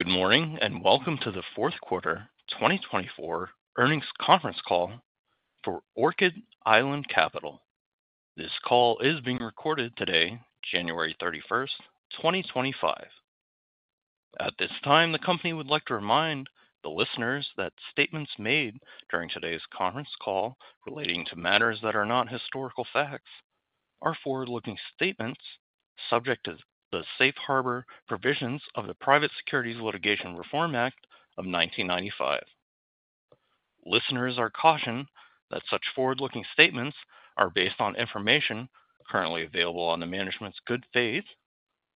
Good morning and welcome to the fourth quarter 2024 earnings conference call for Orchid Island Capital. This call is being recorded today, January 31, 2025. At this time the Company would like to remind the listeners that statements made during today's conference call relating to matters that are not historical facts are forward-looking statements subject to the safe harbor provisions of the Private Securities Litigation Reform Act of 1995. Listeners are cautioned that such forward-looking statements are based on information currently available on the management's good faith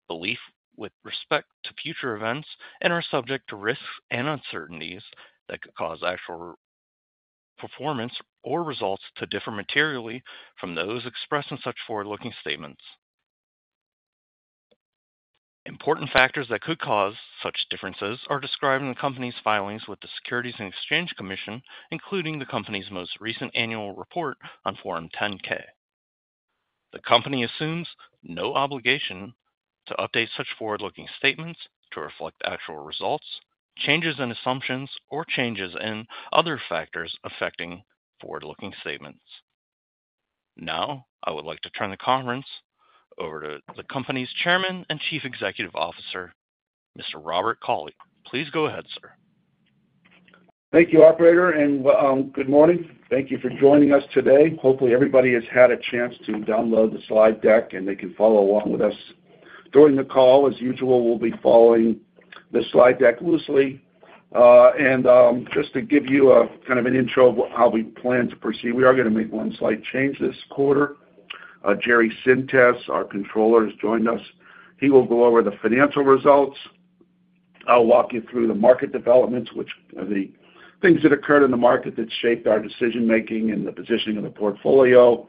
belief with respect to future events and are subject to risks and uncertainties that could cause actual performance or results to differ materially from those expressed in such forward-looking statements. Important factors that could cause such differences are described in the Company's filings with the Securities and Exchange Commission, including the Company's most recent Annual Report on Form 10-K. The company assumes no obligation to update such forward-looking statements to reflect actual results, changes in assumptions or changes in other factors affecting forward-looking statements. Now I would like to turn the conference over to the Company's Chairman and Chief Executive Officer, Mr. Robert E. Cauley. Please go ahead, sir. Thank you, operator, and good morning. Thank you for joining us today. Hopefully everybody has had a chance to download the slide deck and they can follow along with us during the call. As usual, we'll be following the slide deck loosely. And just to give you kind of an intro of how we plan to proceed, we are going to make one slight change this quarter. Jerry Sintes, our Controller, has joined us. He will go over the financial results. I'll walk you through the market developments which the things that occurred in the market that shaped our decision making and the positioning of the portfolio.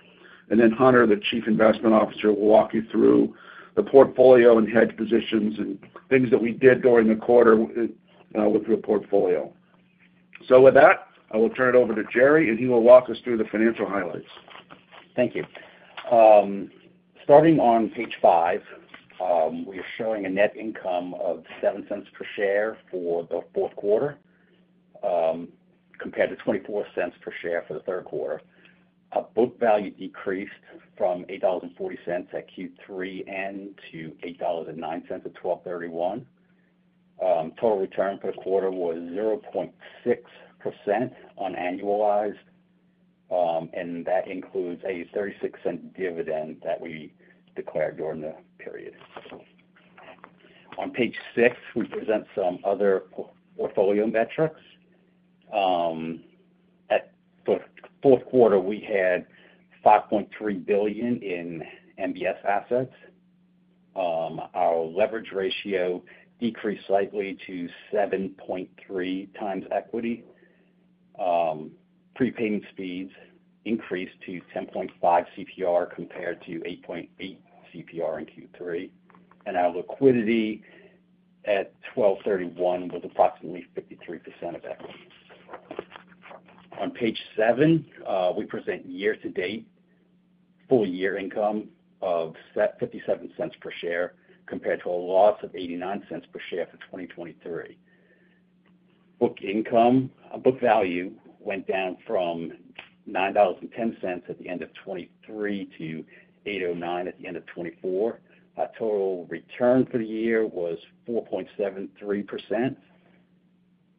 And then Hunter, the Chief Investment Officer, will walk you through the portfolio and hedge positions and things that we did during the quarter with the portfolio. So with that I will turn it over to Jerry and he will walk us through the financial highlights. Thank you. Starting on page five, we are showing a net income of $0.07 per share. For the fourth quarter. Compared to $0.24. Per share for the third quarter. Book value decreased from $8.40 at Q3 end to $8.09 at December 31. Total return for the quarter was 0.6% on annualized and that includes a $0.36 dividend that we declared during the period. On page six we present some other portfolio metrics. For fourth quarter we had $5.3 billion in MBS assets. Our leverage ratio is decreased slightly to 7.3 times. Equity. Prepayment speeds increased to 10.5 CPR compared to 8.8 CPR in Q3, and our liquidity at 12/31 was approximately 53% of equity. On page seven we present year to date full year income of $0.57 per share compared to a loss of $0.89 per share for 2023. Book value went down from $9.10 at the end of 2023 to $8.09 at the end of 2024. Our total return for the year was 4.73%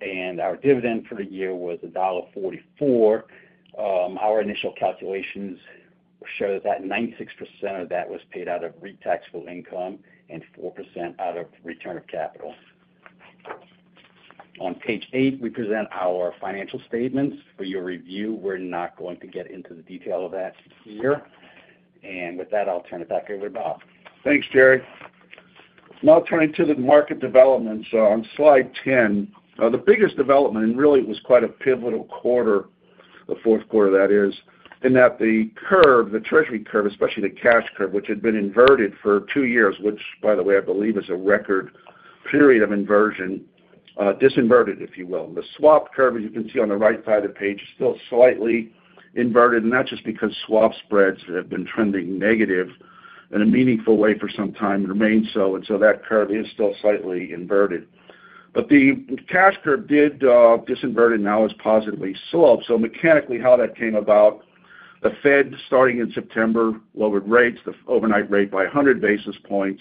and our dividend for the year was $1.44. Our initial calculations show that 96% of that was paid out of taxable income and 4% out of return of capital. On page eight we present our financial statements for your review. We're not going to get into the detail of that here. And with that I'll turn it back over to Bob. Thanks, Jerry. Now turning to the market developments on slide 10, the biggest development and really it was quite a pivotal quarter, the fourth quarter that is, in that the curve, the Treasury curve, especially the cash curve, which had been inverted for two years, which by the way, I believe is a record period of inversion. Disinverted, if you will. The swap curve, as you can see on the right side of the page, is still slightly inverted and that's just because swap spreads have been trending negative in a meaningful way for some time, remains so. And so that curve is still slightly inverted, but the cash curve did disinvert and now is positively sloped. So mechanically how that came about. The Fed starting in September lowered the overnight rate by 100 basis points.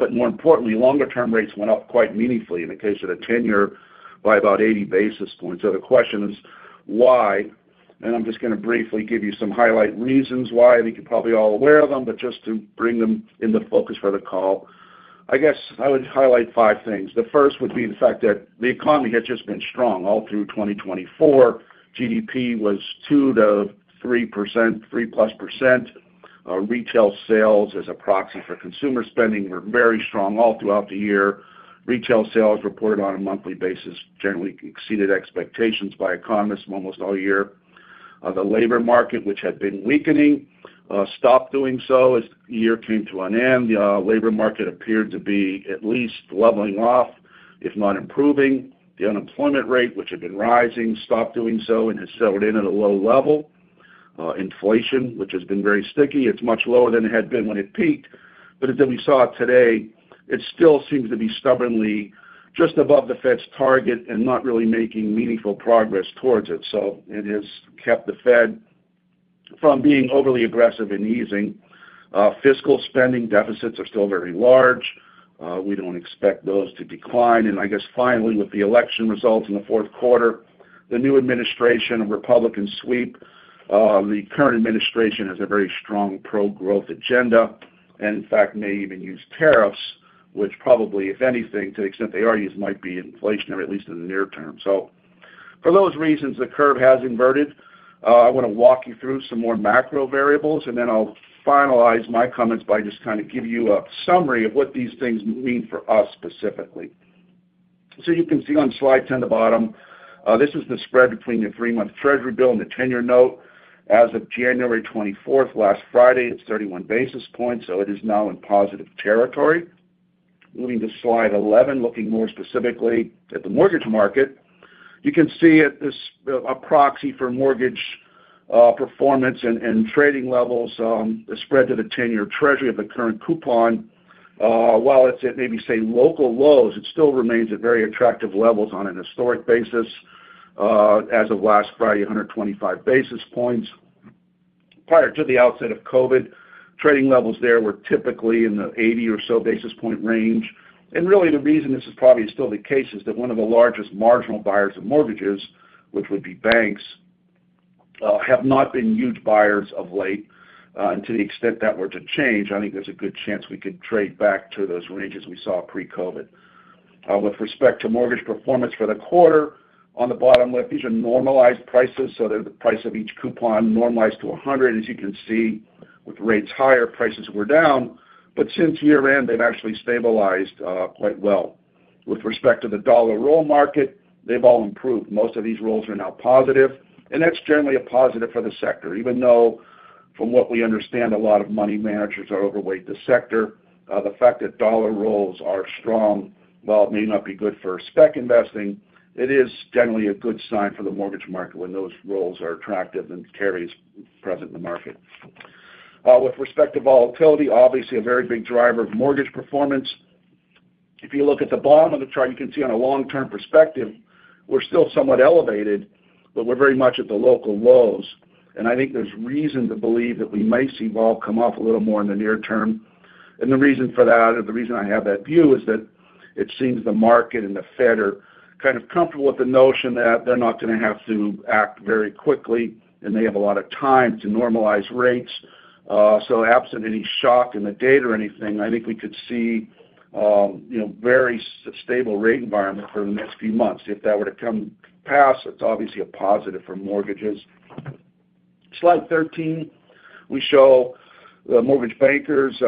But more importantly, longer term rates went up quite meaningfully in the case of the 10-year by about 80 basis points. So the question is why? And I'm just going to briefly give you some highlight reasons why. We're probably all aware of them. But just to bring them into focus for the call, I guess I would highlight five things. The first would be the fact that the economy had just been strong all through 2024. GDP was 2%-3%, 3% plus. Retail sales as a proxy for consumer spending were very strong all throughout the year. Retail sales reported on a monthly basis generally exceeded expectations by economists almost all year. The labor market, which had been weakening, stopped doing so as the year came to an end. The labor market appeared to be at least leveling off if not improving. The unemployment rate, which had been rising, stopped doing so and has settled in at a low level. Inflation, which has been very sticky. It's much lower than it had been when it peaked. But as we saw today it still seems to be stubbornly just above the Fed's target and not really making meaningful progress towards it. So it is kept the Fed from being overly aggressive and easing fiscal spending. Deficits are still very large. We don't expect those to decline. And I guess finally with the election results in the fourth quarter, the new administration Republican sweep the current administration has a very strong pro growth agenda and in fact may even use tariffs which probably if anything to the extent they are used might be inflationary at least in the near term. So for those reasons the curve has inverted. I want to walk you through some more macro variables and then I'll finalize my comments by just kind of give you a summary of what these things mean for us specifically. So you can see on slide 10 the bottom, this is the spread between the 3-month Treasury Bill and the 10-Year Note. As of January 24th last Friday it's 31 basis points. So it is now in positive territory. Moving to slide 11. Looking more specifically at the mortgage market you can see a proxy for mortgage performance and trading levels. The spread to the 10-Year Treasury of the current coupon. While it's at maybe say local lows, it still remains at very attractive levels on an historic basis as of last Friday, 125 basis points. Prior to the outset of COVID, trading levels there were typically in the 80 or so basis point range. And really the reason this is probably still the case is that one of the largest marginal buyers of mortgages, which would be banks, have not been huge buyers of late. And to the extent that were to change, I think there's a good chance we could trade back to those ranges. We saw pre-COVID with respect to. Mortgage performance for the quarter on the bottom left. These are normalized prices. So the price of each coupon normalized to 100. As you can see with rates higher prices were down but since year end they've actually stabilized quite well with respect to the dollar roll market. They've all improved. Most of these rolls are now positive and that's generally a positive for the sector even though from what we understand a lot of money managers are overweight this sector. The fact that dollar rolls are strong, while it may not be good for spec investing, it is generally a good sign for the mortgage market when those rolls are attractive and carries present in the market with respect to volatility, obviously a very big driver of mortgage performance. If you look at the bottom of the chart, you can see on a long term perspective we're still somewhat elevated but we're very much at the local lows. And I think there's reason to believe that we may see volume come off a little more in the near term. And the reason for that or the reason I have that view is that it seems the market and the Fed are kind of comfortable with the notion that they're not going to have to act very quickly and they have a lot of time to normalize rates. So absent any shock in the data or anything, I think we could see very stable rate environment for the next few months if that were to come past. That's obviously a positive for mortgages. Slide 13. We show the Mortgage Bankers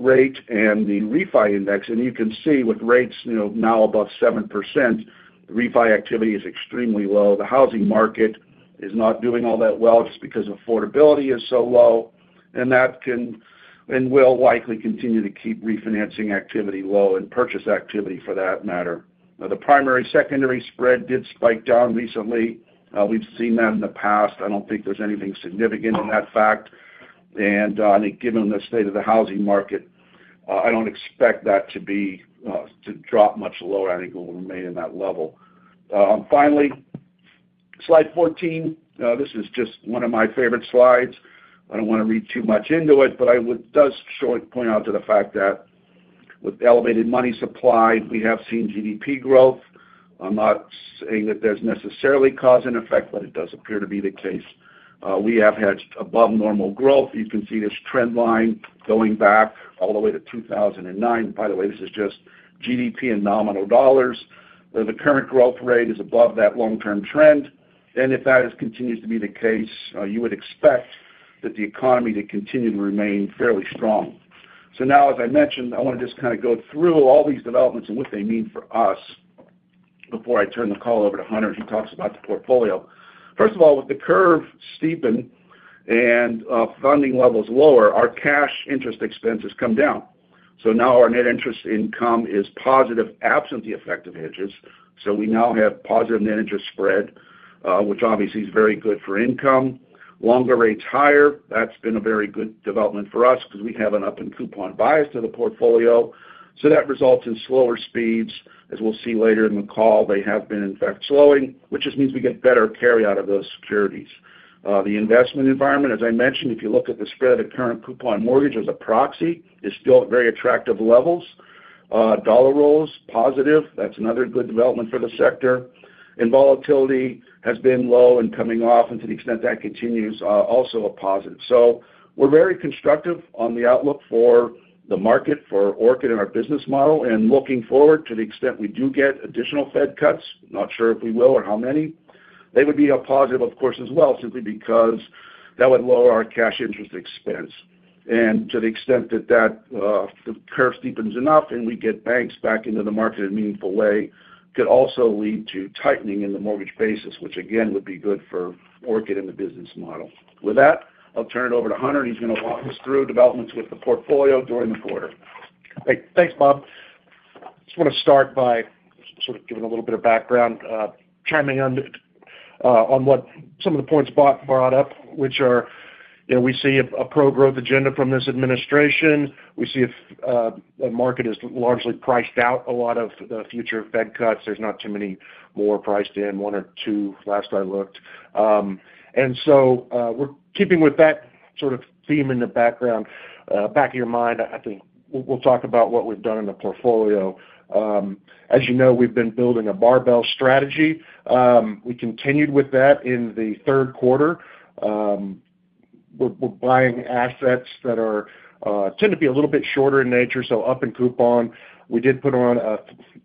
rate and the refi index and you can see with rates now above 7% the refi activity is extremely low. The housing market is not doing all that well just because affordability is so low and that can and will likely continue to keep refinancing activity low and purchase activity for that matter. The primary secondary spread did spike down recently. We've seen that in the past. I don't think there's anything significant in that fact and I think given the state of the housing market, I don't expect that to be to drop much lower. I think it will remain in that level. Finally, slide 14. This is just one of my favorite slides. I don't want to read too much into it, but I would just point out to the fact that with elevated money supply we have seen GDP growth. I'm not saying that there's necessarily cause and effect, but it does appear to be the case. We have had above normal growth. You can see this trend line going back all the way to 2009. By the way, this is just GDP and nominal dollars. The current growth rate is above that long-term trend, and if that continues to be the case, you would expect that the economy. To continue to remain fairly strong. So now as I mentioned, I want to just kind of go through all these developments and what they mean for us before I turn the call over to Hunter, he talks about the portfolio. First of all, with the curve steepening and funding levels lower, our cash interest expense has come down. So now our net interest income is positive absent the effective hedges. So we now have positive net interest spread which obviously is very good for income. Longer rates higher. That's been a very good development for us because we have an up in coupon bias to the portfolio. So that results in slower speeds. As we'll see later in the call, they have been in fact slowing, which just means we get better carry out of those securities. The investment environment. As I mentioned, if you look at the spread of the current coupon mortgage as a proxy, is still at very attractive levels. Dollar rolls positive, that's another good development for the sector, and volatility has been low and coming off, and to the extent that continues, also a positive. So we're very constructive on the outlook for the market for Orchid and our business model, and looking forward, to the extent we do get an additional Fed cuts, not sure if we will or how many, they would be a positive of course as well, simply because that would lower our cash interest expense, and to the extent that that curve steepens enough and we get banks back into the market in a meaningful way, could also lead to tightening in the mortgage basis, which again would be good for Orchid and the business model. With that I'll turn it over to Hunter. He's going to walk us through developments with the portfolio during the quarter. Thanks Bob. Just want to start by sort of giving a little bit of background, chiming in on what some of the points Bob brought up, which are, you know, we see a pro growth agenda from this administration. We see if the market is largely priced out a lot of future Fed cuts. There's not too many more priced in, one or two last I looked. And so we're keeping with that sort of theme in the background back of your mind. I think we'll talk about what we've done in the portfolio. As you know, we've been building a barbell strategy. We continued with that in the third quarter. We're buying assets that tend to be a little bit shorter in nature. So up in coupon, we did put on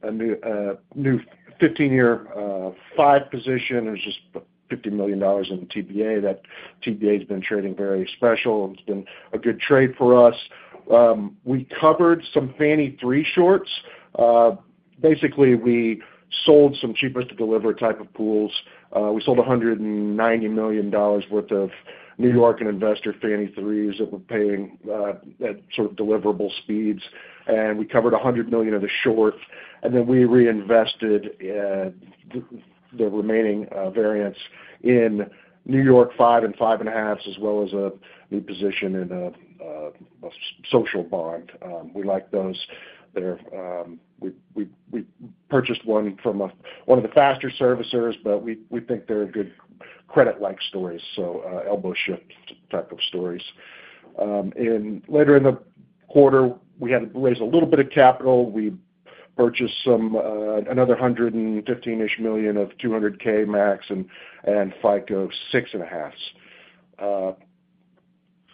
a new 15-year 5 position. It was just $50 million in TBA. That TBA has been trading very special. It's been a good trade for us. We covered some Fannie 3s shorts, basically. We sold some cheapest-to-deliver type of pools. We sold $190 million worth of New York and investor Fannie 3s that were paying at sort of deliverable speeds, and we covered $100 million of the short, and then we reinvested the remaining variants in New York five and five and a half as well as a new position in a Social Bond. We like those. We purchased one from one of the faster servicers, but we think they're good credit-like stories, so elbow-shift type of stories. Later in the quarter, we had to raise a little bit of capital. We purchased another 115-ish million of 200k Max and FICO 6 1/2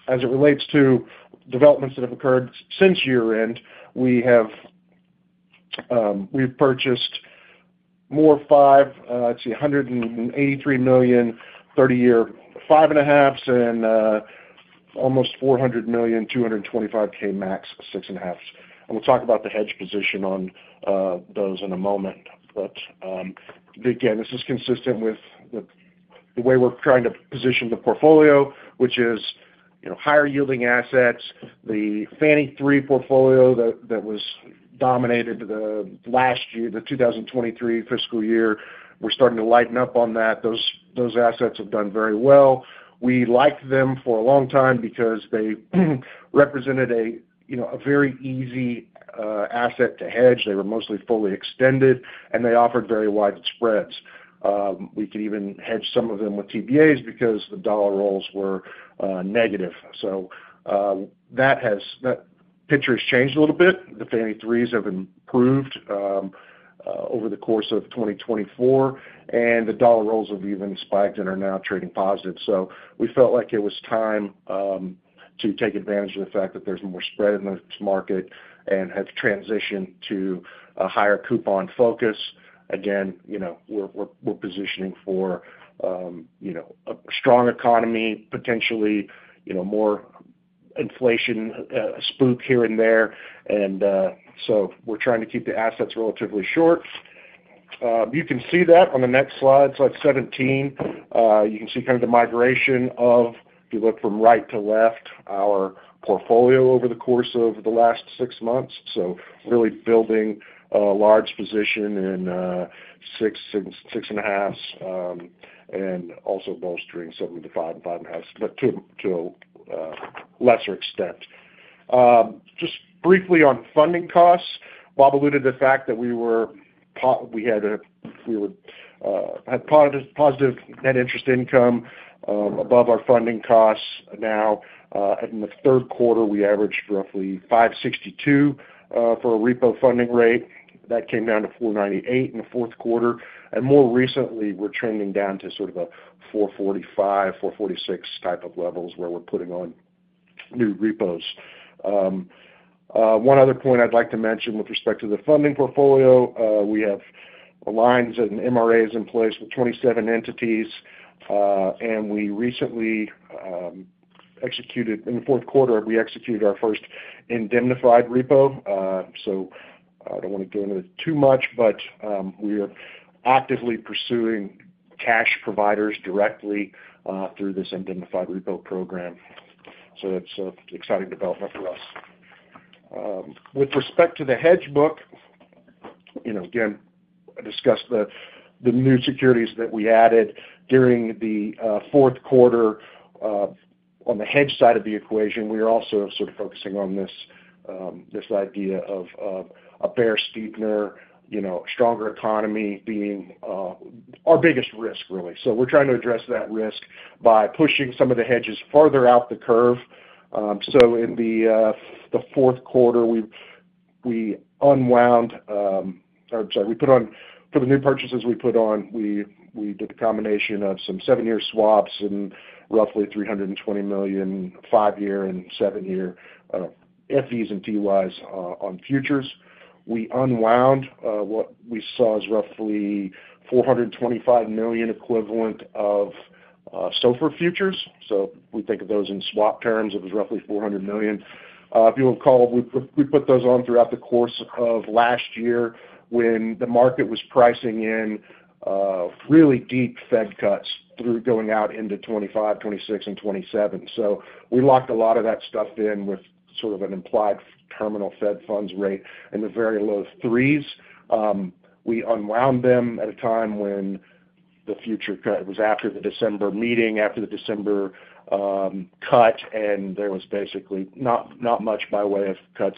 as it relates to developments that have occurred since year-end. We have, we've purchased more five, let's see, $183 million 30-year 5.5% and almost $400 million 225k max 6.5%. And we'll talk about the hedge position on those in a moment. But again, this is consistent with the way we're trying to position the portfolio which is higher yielding assets. The Fannie 3.0% portfolio that was dominated last year, the 2023 fiscal year, we're starting to lighten up on that. Those assets have done very well. We liked them for a long time because they represented a very easy asset to hedge. They were mostly fully extended and they offered very wide spreads. We could even hedge some of them with TBAs because the dollar rolls were negative, so that picture has changed a little bit. The Fannie 3s have improved over the course of 2024 and the dollar rolls have even spiked and are now trading positive. So we felt like it was time to take advantage of the fact that there's more spread in this market and have transitioned to a higher coupon focus. Again, we're positioning for a strong economy, potentially more inflation spike here and there. And so we're trying to keep the assets relatively short. You can see that on the next slide, slide 17. You can see kind of the migration of, if you look from right to left, our portfolio over the course of the last six months. So really building a large position in six, six and a half and also bolstering 7.5 and 5.5. But to a lesser extent, just briefly on funding costs. Bob alluded to the fact that we were, we had positive net interest income above our funding costs. Now in the third quarter we averaged roughly 562 for a repo funding rate. That came down to 498 in the fourth quarter, and more recently we're trending down to sort of a 445-446 type of levels where we're putting on new reposition. One other point I'd like to mention with respect to the funding portfolio, we have lines and MRAs in place with 27 entities and we recently executed. In the fourth quarter we executed our first indemnified repo. So I don't want to go into it too much, but we are actively pursuing cash providers directly through this indemnified repo program. So that's exciting development for us. With respect to the hedge book, you know, again discussed the new securities that we added during the fourth quarter on the hedge side of the equation. We are also sort of focusing on this idea of a bear steepener, you know, stronger economy being our biggest risk really. So we're trying to address that risk by pushing some of the hedges farther out the curve. So in the fourth quarter we unwound. Sorry, we put on for the new purchases we put on, we did a combination of some 7-year swaps and roughly $320 million 5-year and 7-year FVs and TYs on futures we unwound. What we saw is roughly $425 million equivalent of SOFR futures. So we think of those in swap terms. It was roughly $400 million, if you'll call, we put those on throughout the course of last year when the market was pricing in really deep Fed cuts through going out into 2025, 2026 and 2027. So we locked a lot of that stuff in with sort of an implied terminal Fed funds rate in the very low 3s. We unwound them at a time when the future cut was after the December meeting, after the December cut. And there was basically not much by way of cuts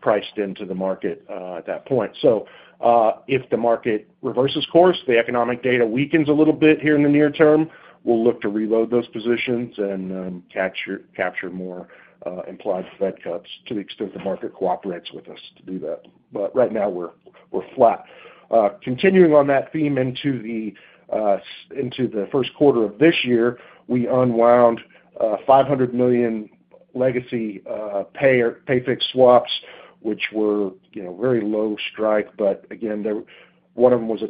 priced into the market at that point. So if the market reverses course, the economic data weakens a little bit here in the near term we'll look to reload those positions and capture more implied Fed cuts to the extent the market cooperates with us to do that. Right now we're flat continuing on that theme into the first quarter of this year. We unwound $500 million legacy pay-fixed swaps which were very low strike, but again one of them was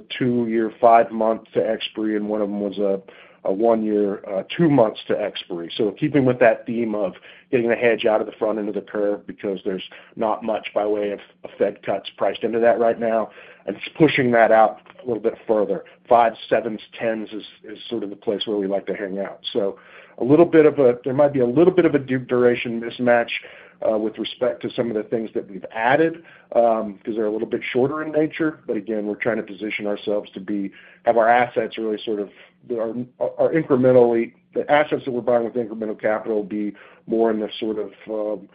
a two-year, five-month to expiry and one of them was a one-year, two-month to expiry. So keeping with that theme of getting a hedge out of the front end of the curve because there's not much by way of Fed cuts priced into that right now and pushing that out a little bit further, 5s, 7s, 10s is sort of the place where we like to hang out. So there might be a little bit of a duration mismatch with respect to some of the things that we've added because they're a little bit shorter in nature. But again, we're trying to position ourselves to be, have our assets really sort of incrementally, the assets that we're buying with incremental capital be more in the sort of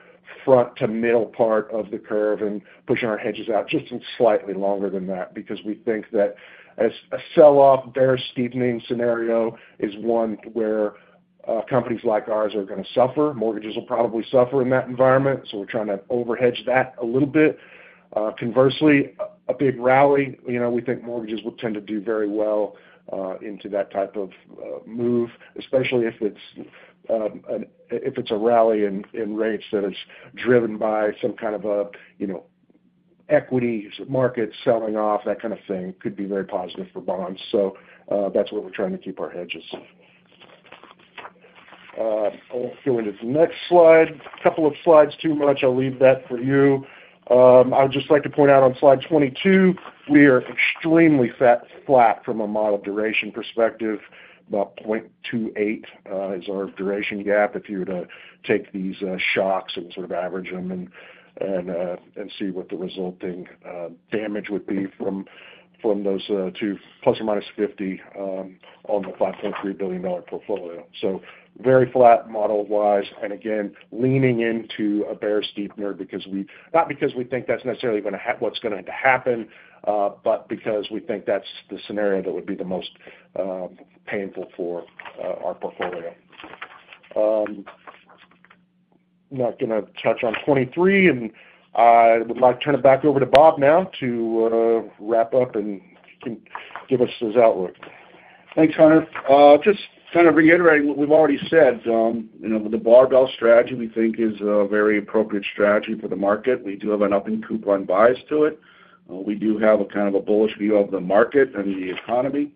front to middle part of the curve and pushing our hedges out just slightly longer than that because we think that a sell-off, bear steepener scenario is one where companies like ours are going to suffer, mortgages will probably suffer in that environment, so we're trying to overhedge that a little bit. Conversely, a big rally we think mortgages will tend to do very well into that type of move, especially if it's a rally in rates that is driven by some kind of equity market selling off. That kind of thing could be very positive for bonds, so that's what we're trying to keep. Our hedges. Going to the next slide. Couple of slides too much. I'll leave that for you. I would just like to point out on slide 22 we are extremely flat from a model duration perspective. About 0.28 is our duration gap. If you were to take these shocks and sort of average them and see what the resulting damage would be from those 2 plus or minus 50 on the $5.3 billion portfolio. So, so very flat model wise and again, leaning into a bear steepener. Not because we think that's necessarily what's going to happen, but because we think that's the scenario that would be the most painful for our portfolio. I'm not going to touch on 23 and I would like to turn it back over to Bob now to wrap up and give us this outlook. Thanks, Hunter. Just kind of reiterating what we've already said with the barbell strategy we think is a very appropriate strategy for the market. We do have an upping coupon bias to it. We do have a kind of a bullish view of the market and the economy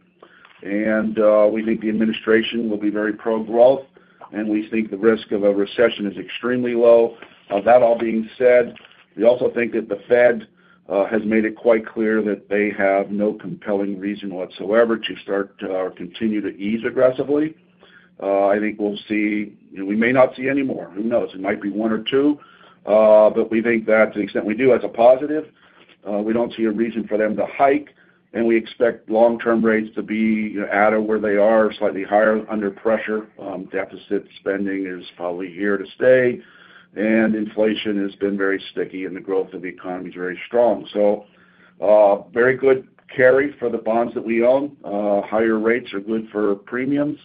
and we think the administration will be very pro growth and we think the risk of a recession is extremely low. That all being said, we also think that the Fed has made it quite clear that they have no compelling reason whatsoever to start or continue to ease aggressively. I think we'll see. We may not see any more. Who knows, it might be one or two. But we think that to the extent we do, that's a positive. We don't see a reason for them to hike, and we expect long-term rates to be out of where they are, slightly higher under pressure. Deficit spending is probably here to stay, and inflation has been very sticky, and the growth of the economy is very strong. So very good carry for the bonds that we own. Higher rates are good for premiums,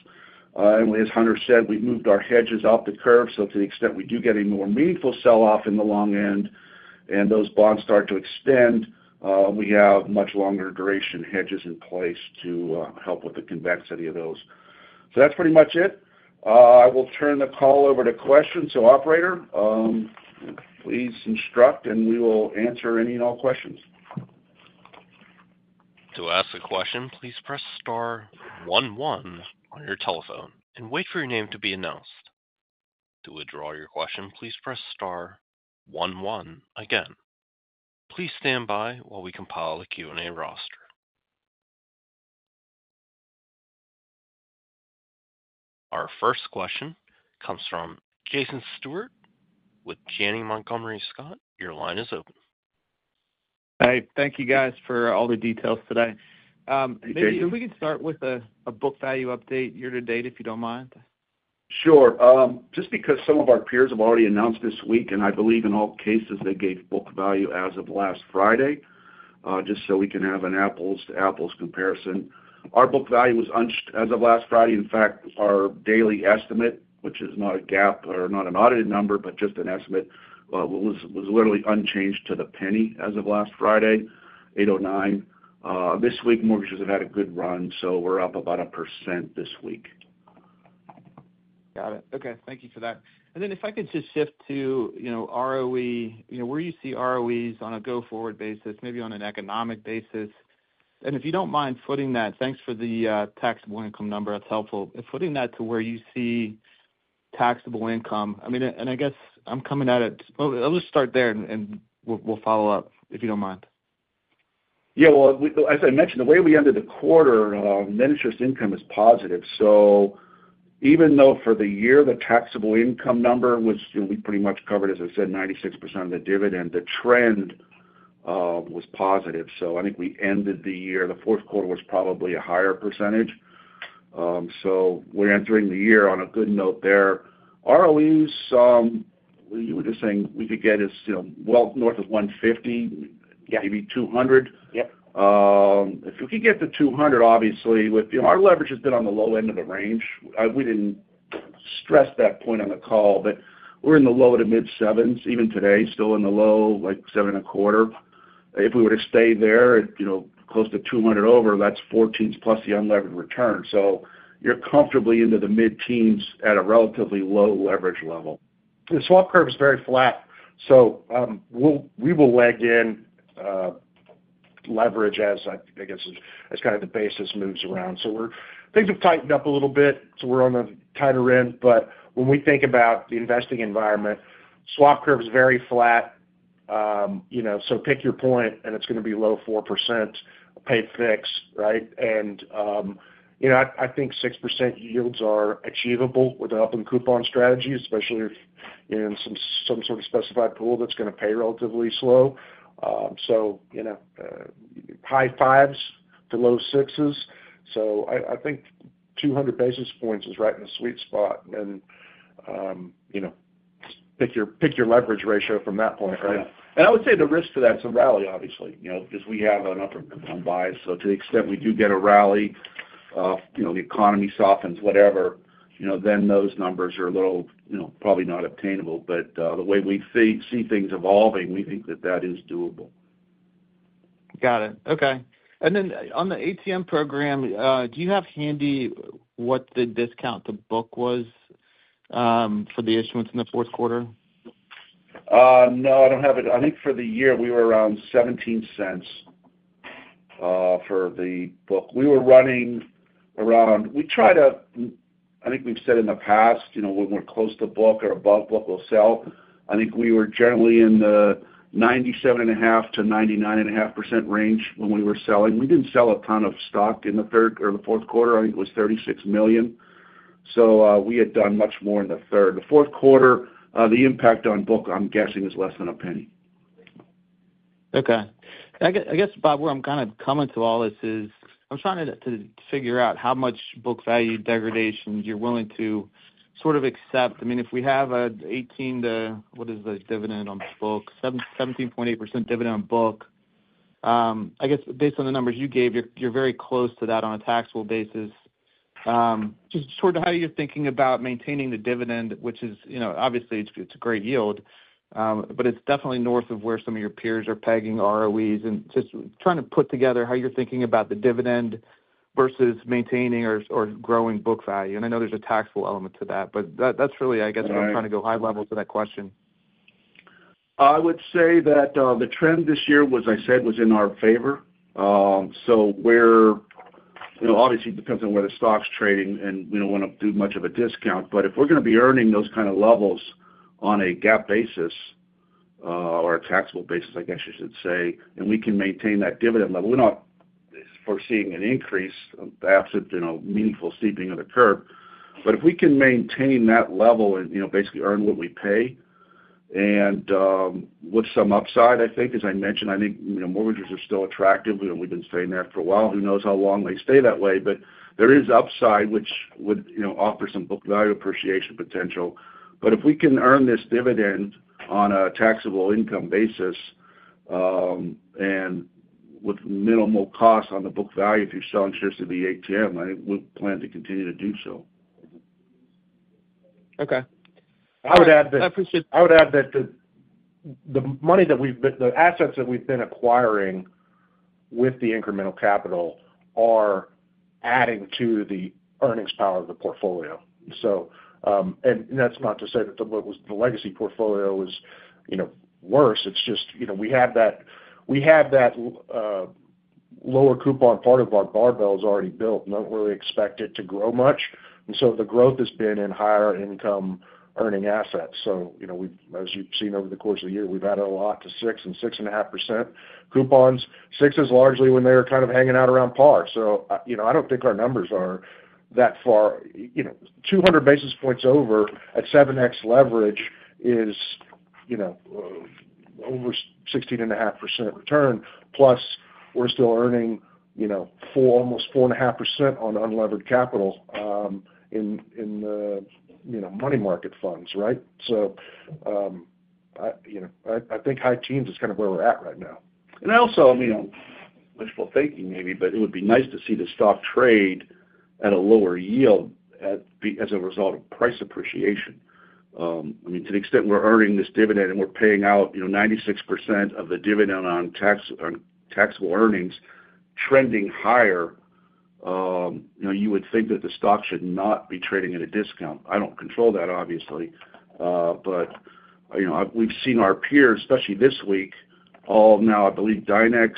and as Hunter said, we moved our hedges off the curve. So to the extent we do get a more meaningful sell-off in the long end and those bonds start to extend, we have much longer duration hedges in place to help with the convexity of those. So that's pretty much it. I will turn the call over to questions. So operator, please instruct, and we will answer any and all questions. To ask a question, please press star 11 on your telephone and wait for your name to be announced. To withdraw your question, please press star 11 again. Please stand by while we compile the Q and A roster. Our first question comes from Jason Stewart with Janney Montgomery Scott. Your line is open. Hey, thank you guys for all the details today. If we could start with a book value update year to date, if you don't mind. Sure. Just because some of our peers have already announced this week and I believe in all cases they gave book value as of last Friday. Just so we can have an apples to apples comparison, our book value was unchanged as of last Friday. In fact, our daily estimate, which is not a GAAP or not an audited number, but just an estimate, was literally unchanged to the penny as of last Friday. $8.09 this week. Mortgages have had a good run. So we're up about 1% this week. Got it. Okay, thank you for. If I could just shift. To ROE, where you see ROEs on a go forward basis, maybe on an economic basis, and if you don't mind footing that. Thanks for the taxable income number. That's helpful. Footing that to where you see taxable income, and I guess I'm coming at it. I'll just start there and we'll follow up, if you don't mind. Yeah. Well, as I mentioned, the way we ended the quarter, net interest income is positive. So. So even though for the year the taxable income number was we pretty much covered, as I said, 96% of the dividend. The trend was positive. So I think we ended the year, the fourth quarter was probably a higher percentage. So we're entering the year on a good note there. ROEs, you were just saying we could get as well north of 150, maybe 200. If we could get to 200. Obviously our leverage has been on the low end of the range. We didn't stress that point on the call, but we're in the low to mid 7s even today, still in the low, like seven and a quarter. If we were to stay there close to 200 over, that's 14s plus the unlevered return. So you're comfortably into the mid teens at a relatively low leverage level. The swap curve is very flat. So we will leg in leverage as I guess, kind of, the basis moves around. So where things have tightened up a little bit so we're on the tighter end. But when we think about the investment environment, swap curve is very flat. So pick your point and it's going to be low 4% pay fix. Right. I think 6% yields are achievable with an up-in-coupon strategy, especially if in some sort of specified pool that's going to pay relatively slow. High fives to low sixes. I think 200 basis points is. Right in the sweet spot. Pick your leverage ratio from that point. Right. And I would say the risk to that is a rally, obviously because we have an upper bias. So to the extent we do get a rally, the economy softens, whatever, then those numbers are a little probably not obtainable. But the way we see things evolving, we think that that is doable. Got it. Okay. And then on the ATM program, do you have handy what the discount to book was for the issuance in the fourth quarter? No, I don't have it. I think for the year we were around $0.17. For the fourth quarter we were running around. We try to, I think we've said in the past, you know, when we're close to book or above what we'll sell. I think we were generally in the 97.5%-99.5% range when we were selling. We didn't sell a ton of stock in the third or the fourth quarter. I think it was 36 million. So we had done much more in the third, the fourth quarter. The impact on book, I'm guessing is less than $0.01. Okay. I guess Bob, where I'm kind of coming to all this is I'm trying to figure out how much book value degradation you're willing to sort of accept. I mean, if we have an 18 to what is the dividend on book? 17.8% dividend on book. I guess based on the numbers you gave, you're very close to that on a taxable basis. Just sort of how you're thinking about. Maintaining the dividend, which is obviously it's a great yield, but it's definitely north of where some of your peers are pegging ROEs and just trying to put together how you're thinking about the dividend versus maintaining or growing book value. And I know there's a taxable element. To that, but that's really, I guess. I'm trying to go high level to that question. I would say that the trend this year was, as I said, was in our favor. So it obviously depends on where the stock's trading and we don't want to do much of a discount. But if we're going to be earning those kind of levels on a GAAP basis or a taxable basis, I guess you should say, and we can maintain that dividend level. We're not foreseeing an increase absent meaningful steepening of the curve. But if we can maintain that level and basically earn what we pay and with some upside, I think, as I mentioned, I think mortgages are still attractive. We've been staying there for a while. Who knows how long they stay that way. But there is upside which would offer some book value appreciation potential. But if we can earn this dividend on a taxable income basis and with minimal cost on the book value. If you're selling shares to the ATM, I would plan to continue to do so. Okay. I would add that the money that we've, the assets that we've been acquiring with the incremental capital are adding to the earnings power of the portfolio. So and that's not to say that the legacy portfolio is, you know, worse. It's just, you know we have that, we have that lower coupon part of our barbells already built, not really expect it to grow much. And so the growth has been in higher income earning assets. So you know, as you've seen over. the course of the year we've added. A lot to six and 6.5% coupons. Six is largely when they are kind of hanging out around par. So I don't think our numbers are that far. 200 basis points over at seven times leverage is over 16.5% return. Plus we're still earning almost 4.5% on unlevered capital in money market funds. Right. I think high teens is kind of. Where we're at right now. And also wishful thinking maybe, but it would be nice to see the stock trade at a lower yield as a result of price appreciation. I mean to the extent we're earning this dividend and we're paying out 96% of the dividend on taxable earnings trending higher, you would think that the stock should not be trading at a discount. I don't control that obviously. But we've seen our peers, especially this week. All now, I believe, Dynex,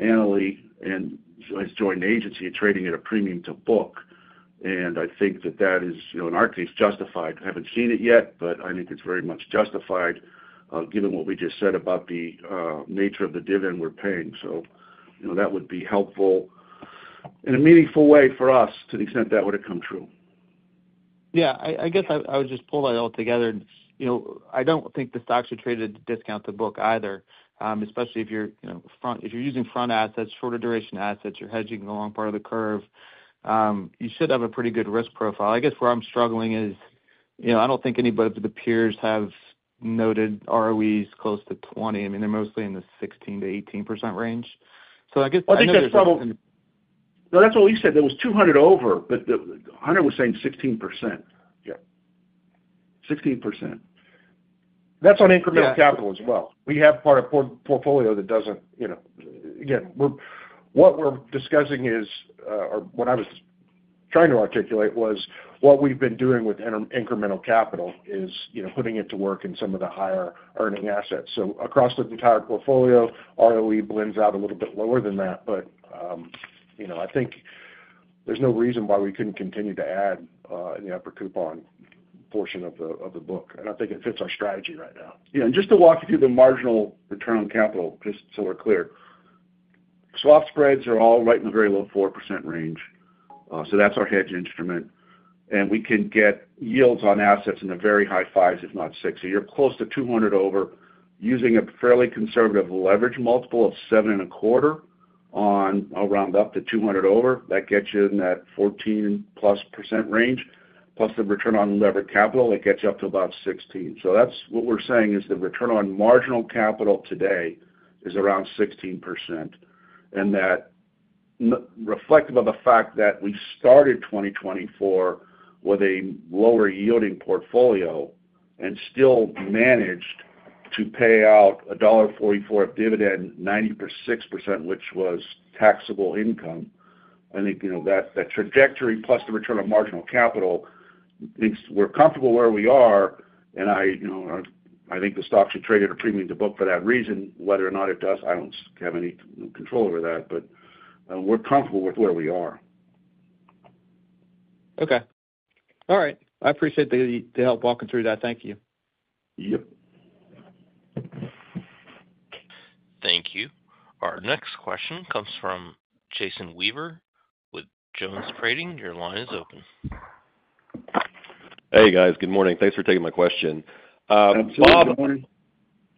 Annaly, and AGNC has joined the agency trading at a premium to book. And I think that that is in our case justified. Haven't seen it yet, but I think it's very much justified given what we just said about the nature of the dividend we're paying. So that would be helpful in a meaningful way for us to the extent that would have come true. Yeah, I guess I would just pull that all together. I don't think the stock should trade at discount to book either. Especially if you're using front assets, shorter duration assets, you're hedging the long part of the curve. You should have a pretty good risk profile. I guess where I'm struggling is I don't think anybody but the peers have noted ROEs close to 20. I mean, they're mostly in the 16%-18% range. So I guess. That's what we said. There was 200 over, but Hunter was saying 16%. 16%. That's on incremental capital as well. We have part of portfolio that doesn't. You know, what we're discussing is, or what I was trying to articulate was what we've been doing with incremental capital is putting it to work in some of the higher earning assets. So across the entire portfolio, ROE blends out a little bit lower than that. But I think there's no reason why we couldn't continue to add in the upper coupon portion of the book. And I think it fits our strategy right now. Yeah. And just to walk you through the marginal return on capital, just so we're clear, swap spreads are all right in the very low 4% range. So that's our hedge instrument. And we can get yields on assets in the very high fives, if not six. So you're close to 200 over. Using a fairly conservative leverage multiple of seven and a quarter on round up to 200 over, that gets you in that 14% plus range. Plus the return on levered capital, it gets you up to about 16%. So that's what we're saying is the return on marginal capital today is around 16%. And that's reflective of the fact that we started 2024 with a lower yielding portfolio and still managed to pay out $1.44 dividend, 96%, which was taxable income. I think that trajectory plus the return of marginal capital, we're comfortable where we are. I think the stock should trade at a premium to book for that reason. Whether or not it does, I don't have any control over that. We're comfortable with where we are. Okay. All right. I appreciate the help walking through that. Thank you. Yep. Thank you. Our next question comes from Jason Weaver with JonesTrading. Your line is open. Hey, guys, good morning. Thanks for taking my question, Bob.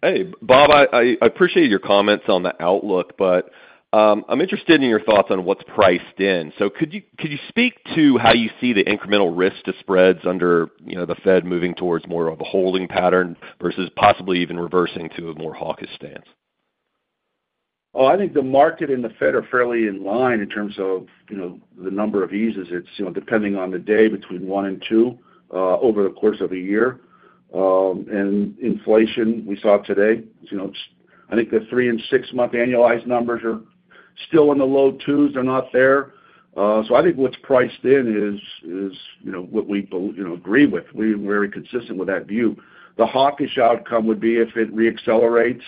Hey, Bob, I appreciate your comments on the outlook, but I'm interested in your thoughts on what's priced in. So, could you speak to how you? See the incremental risk to spreads under the Fed moving towards more of a holding pattern versus possibly even reversing to a more hawkish stance. I think the market and the Fed are fairly in line in terms of the number of eases depending on the day between one and two over the course of a year. And inflation we saw today, I think the three- and six-month annualized numbers are still in the low 2s. They're not there. So I think what's priced in is what we agree with. We're very consistent with that view. The hawkish outcome would be if it reaccelerates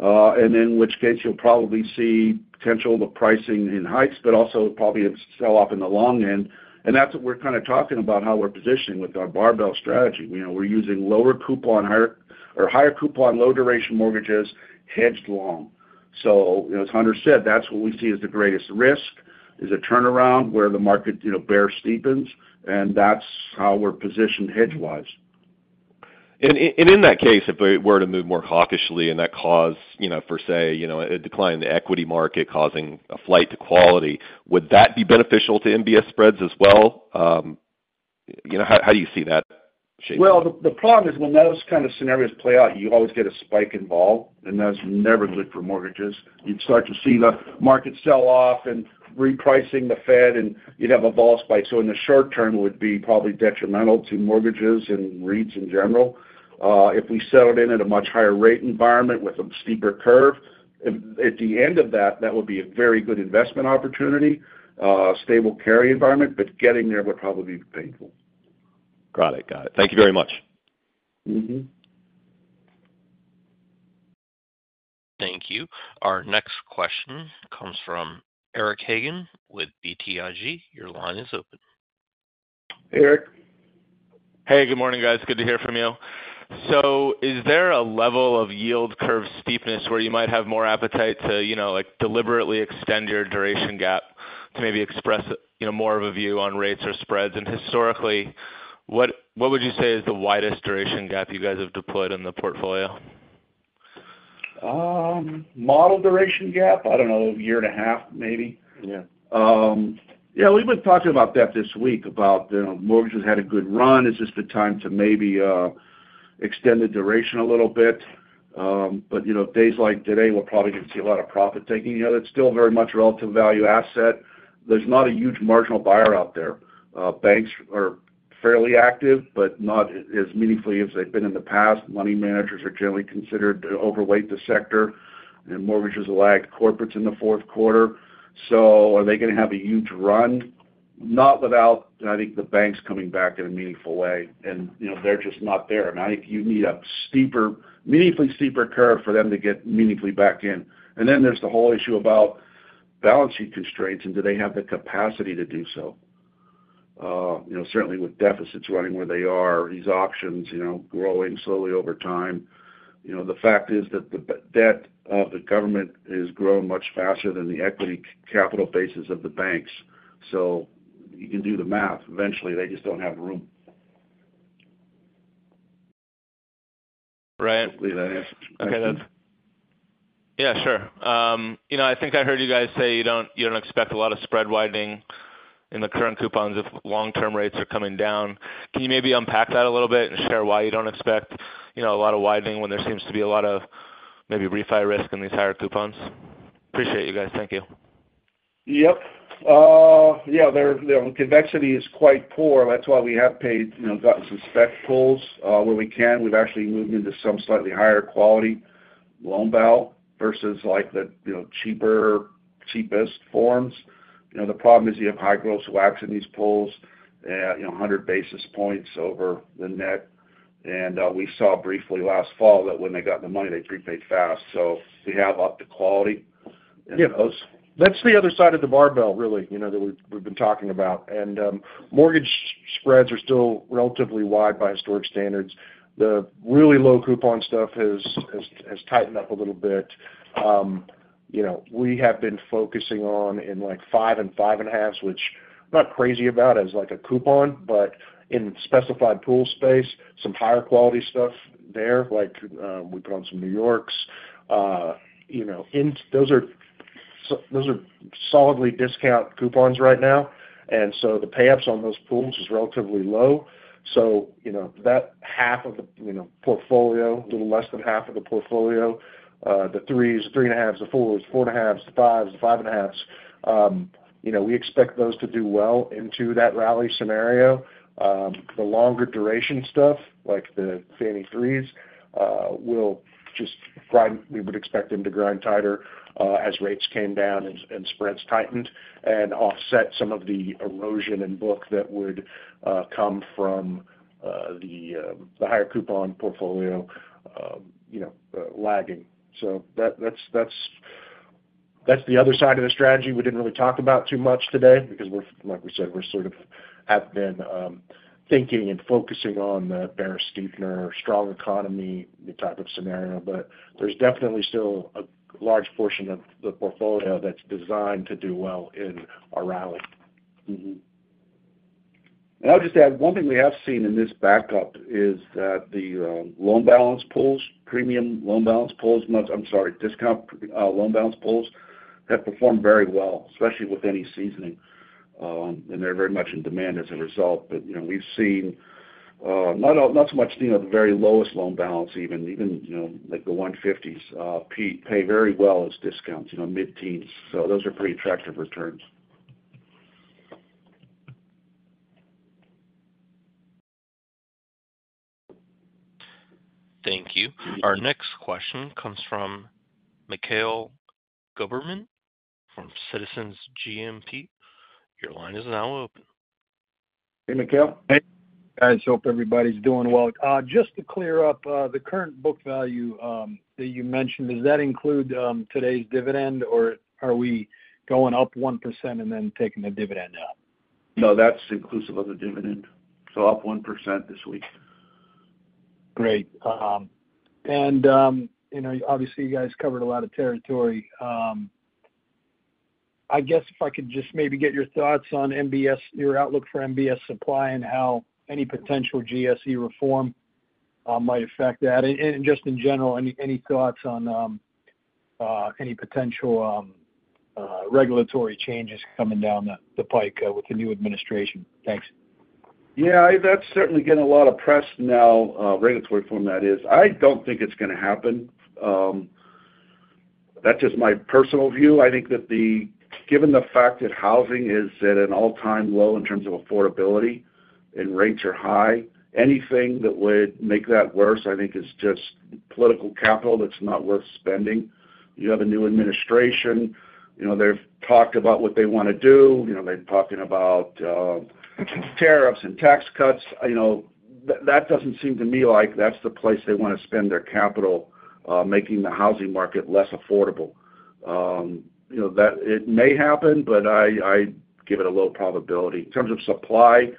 and in which case you'll probably see potential of pricing in hikes, but also probably a sell off in the long end. And that's what we're kind of talking about how we're positioning with our barbell strategy. We're using lower coupon higher or higher coupon low duration mortgages hedged long. So as Hunter said, that's what we see as the greatest risk is a turnaround where the market bear steepens. That's how we're positioned hedge-wise. In that case, if we were to move more hawkishly and that caused, say, a decline in the equity market causing a flight to quality, would that be beneficial to MBS spreads as well? How do you see that shaping? The problem is when those kind of scenarios play out, you always get a spike in volume and that's never good for mortgages. You'd start to see the market sell off and repricing the Fed and you'd have a volume spike. So in the short term it would be probably detrimental to mortgages and REITs in general. If we settled in at a much higher rate environment with a steeper curve at the end of that, that would be a very good investment opportunity. Stable carry environment, but getting there would probably be painful. Got it, got it. Thank you very much. Thank you. Our next question comes from Eric Hagan with BTIG. Your line is open. Hey Eric. Hey, good morning guys. Good to hear from you. So is there a level of yield curve steepness where you might have more appetite to deliberately extend your duration gap to maybe express more of a view on rates or spreads? And historically, what would you say is the widest duration gap you guys have deployed in the portfolio? Model? Duration gap? I don't know, year and a half maybe. We've been talking about that this week about mortgages. Had a good run. Is this the time to maybe extend the duration a little bit? But days like today, we're probably going to see a lot of profit taking. It's still very much relative value asset. There's not a huge marginal buyer out there. Banks are fairly active, but not as meaningfully as they've been in the past. Money managers are generally considered overweight. The sector and mortgages lagged corporates in the fourth quarter. So are they going to have a huge run? Not without I think the banks coming back in a meaningful way and they're just not there. And I think you need a steeper, meaningfully steeper curve for them to get meaningfully back in. And then there's the whole issue about balance sheet constraints and do they have the capacity to do so? Certainly with deficits running where they are these options growing slowly over time. The fact is that the debt of the government has grown much faster than the equity capital basis of the banks. So you can do the math, eventually they just don't have room. Ryan. Okay, that's. Yeah, sure. You know, I think I heard you guys say you don't expect a lot of spread widening in the current coupons if long term rates are coming down. Can you maybe unpack that a little bit and share why you don't expect, you know, a lot of widening when? There seems to be a lot of. Maybe refi risk in these higher coupons. Appreciate you guys, thank you. Yep, yeah, convexity is quite poor. That's why we have paid gotten some spec pools where we can. We've actually moved into some slightly higher quality low balance versus like the cheaper, cheapest forms. The problem is you have high gross WAC in these pools, 100 basis points over the net. And we saw briefly last fall that when they got the money they prepaid fast. So to have up to quality, that's. The other side of the barbell really that we've been talking about, and mortgage spreads are still relatively wide by historic standards. The really low coupon stuff has tightened up a little bit. We have been focusing on, like, five and five and a half, which not crazy about as like a coupon but in specified pool space. Some higher quality stuff there like we put on some New Yorks. Those are. Solidly discount coupons right now, and so the payoffs on those pools is relatively low, so that half of the portfolio, little less than half of the portfolio, the 3s, the 3 and a halfs, the fours, 4 and a halfs, the fives, the 5 and a halfs. We expect those to do well into that rally scenario. The longer duration stuff like the Fannie 3s will just grind. We would expect them to grind tighter as rates came down and spreads tightened and offset some of the erosion in book that would come from the higher coupon portfolio lagging. So. That's the other side of the strategy we didn't really talk about too much today because we're like we said, we sort of have been thinking and focusing on the bear steepener, strong economy type of scenario. But there's definitely still a large portion. Of the portfolio that's designed to do. Well, in our rally. And I'll just add one thing we have seen in this backdrop is that the loan balance pools, premium loan balance pools, I'm sorry, discount loan balance pools have performed very well, especially with any seasoning and they're very much in demand as a result. But you know, we've seen not so much the very lowest loan balance, even like the 150s pay very well as discounts, you know, mid teens. So those are pretty attractive returns. Thank you. Our next question comes from Mikhail Guberman from Citizens JMP. Your line is now open. Hey Mikhail. Hey guys. Hope everybody's doing well. Just to clear up the current book. Value that you mentioned, does that include today's dividend or are we going up 1% and then taking the dividend out? No, that's inclusive of the dividend. So up 1% this week. Great, and you know, obviously you guys covered a lot of territory. I guess if I could just maybe get your thoughts on MBS, your outlook for MBS supply and how any potential GSE reform might affect that. And just in general, any thoughts on any potential regulatory changes coming down the pike with the new administration? Thanks. Yeah, that's certainly getting a lot of press now. Regulatory reform that is. I don't think it's going to happen. That's just my personal view. I think that, given the fact that housing is at an all-time low in terms of affordability and rates are high, anything that would make that worse I think is just political capital that's not worth spending. You have a new administration, you know, they've talked about what they want to do. You know, they're talking about tariffs and tax cuts. You know, that doesn't seem to me like that's the place they want to spend their capital making the housing market less affordable. You know, that it may happen, but I give it a low probability in terms of supply.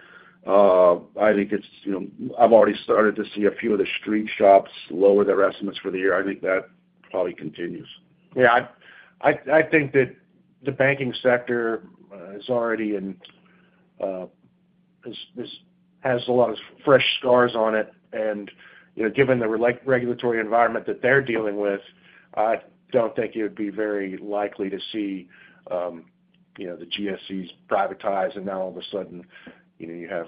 I think it's, you know, I've already. Started to see a few of the. Street shops lower their estimates for the year. I think that probably continues. Yeah, I think that the banking sector is already in. This has a lot of fresh scars on it. And given the regulatory environment that they're dealing with, I don't think it would be very likely to see the GSEs privatized. And now all of a sudden you have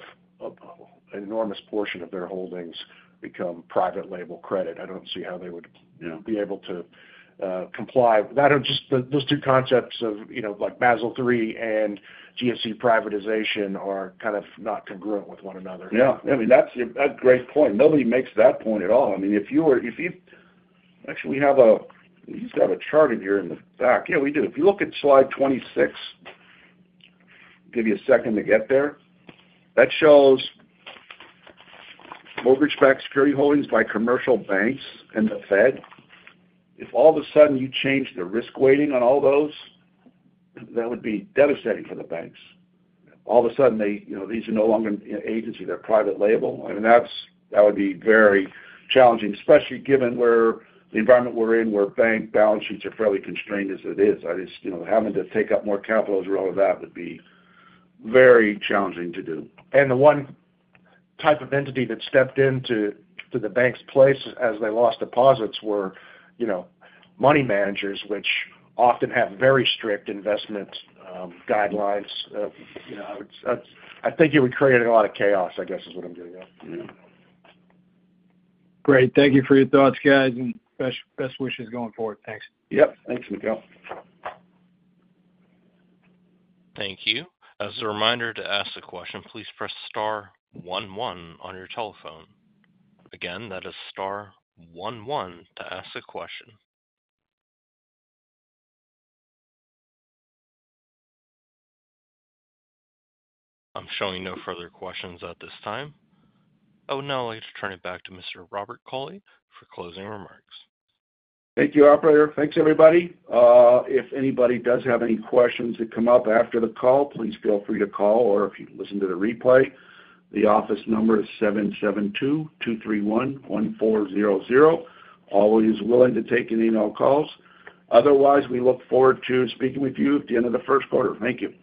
an enormous portion of their holdings become private label credit. I don't see how they would be able to comply. Those two concepts of like Basel III and GSE privatization are kind of not congruent with one another. Yeah, I mean, that's a great point. Nobody makes that point at all. I mean, if you were. If you. Actually, we used to have a chart in here, in the back. Yeah, we do. If you look at slide 26, give you a second to get there, that. Shows. Mortgage-backed security holdings by commercial banks and the Fed. If all of a sudden you change the risk weighting on all those, that would be devastating for the banks all of a sudden. These are no longer agencies, they're private label, and that would be very challenging, especially given where the environment we're in, where bank balance sheets are fairly constrained as it is. I just having to take up more capital through all of that would be very challenging to do. The one type of entity that stepped into the bank's place as they lost deposits were money managers, which often have very strict investment guidelines. I think it would create a lot of chaos, I guess, is what I'm getting at. Great. Thank you for your thoughts, guys. Best wishes going forward. Thanks. Yep. Thanks, Mikhali. Thank you. As a reminder to ask a question, please press Star 11 on your telephone again, that is Star 11 to ask a question. I'm showing no further questions at this time. I would now like to turn it back to Mr. Robert Cauley for closing remarks. Thank you, operator. Thanks, everybody. If anybody does have any questions that come up after the call, please feel free to call. Or if you listen to the replay, the office number is 772-231-1400. Always willing to take any calls otherwise. We look forward to speaking with you at the end of the first quarter. Thank you.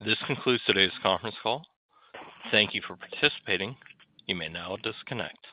This concludes today's conference call. Thank you for participating. You may now disconnect.